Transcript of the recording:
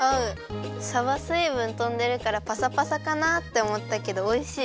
さばすいぶんとんでるからパサパサかなっておもったけどおいしい。